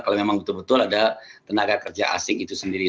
kalau memang betul betul ada tenaga kerja asing itu sendiri